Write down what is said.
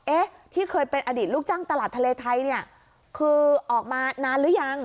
เอ๊ะที่เคยเป็นอดีตลูกจ้างตลาดทะเลไทยเนี่ยคือออกมานานหรือยัง